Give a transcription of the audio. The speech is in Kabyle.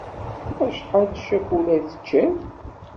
Acḥal n ccakula i teččiḍ?